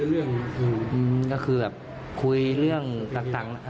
อืมก็คือแบบคุยเรื่องต่างนะ